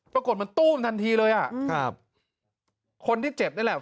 ปรากฏมันตู้มทันทีเลยอ่ะครับคนที่เจ็บนี่แหละ